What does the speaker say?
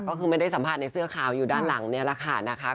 ก็คือไม่ได้สัมผัสในเสื้อขาวอยู่ด้านหลังนี่แหละค่ะนะคะ